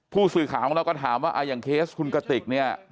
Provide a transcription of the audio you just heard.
ผู้สื่อข่าวเราก็ถามว่าอย่างเคสคุณกติก